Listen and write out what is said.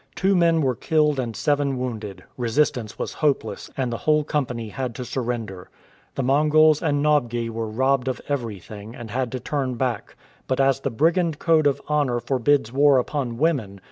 Two men were killed and seven wounded; resistance was hopeless, and the whole company had to surrender. The Mongols and Nobgey were robbed of everything, and had to turn back ; but as the brigand code of honour for bids war upon women.